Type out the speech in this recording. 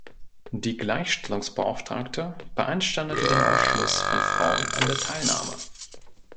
Die Gleichstellungsbeauftragte beanstandete den Ausschluss von Frauen an der Teilnahme.